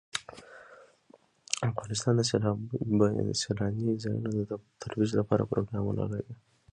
افغانستان د سیلاني ځایونو د ترویج لپاره پروګرامونه لري.